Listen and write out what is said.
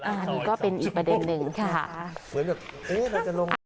อันนี้ก็เป็นอีกประเด็นหนึ่งค่ะ